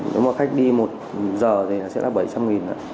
nếu mà khách đi một giờ thì sẽ là bảy trăm linh nghìn